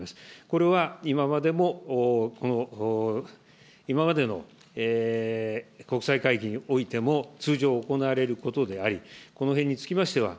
これは、今までも、この、今までの国際会議においても、通常行われることであり、このへんにつきましては、